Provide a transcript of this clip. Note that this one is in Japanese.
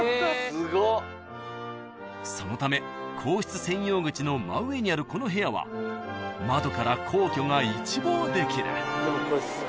［そのため皇室専用口の真上にあるこの部屋は窓から皇居が一望できる］